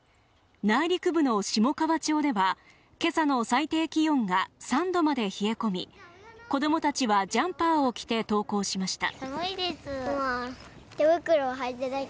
内陸部の下川町では今朝の最低気温が３度まで冷え込み子どもたちはジャンパーを着て登校しました